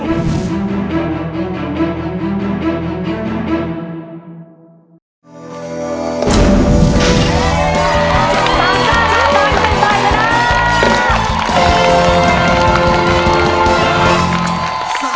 สามซ่าราฝันเป็นฝ่ายชนะ